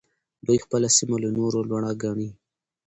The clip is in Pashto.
دوی خپله سيمه له نورو لوړه ګڼي.